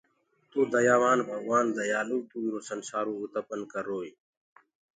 تو ديآ ڀگوآن ديآلو تو ايرو سنسآرو اُتپن ڪروئي